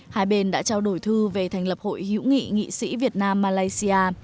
hai bên đã trao đổi thư về thành lập hội hữu nghị nghị sĩ việt nam malaysia